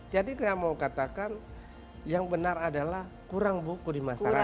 jadi saya mau katakan yang benar adalah kurang buku di masyarakat